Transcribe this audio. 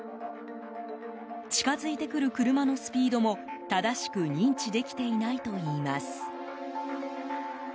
近づいてくる車のスピードも正しく認知できていないといいます。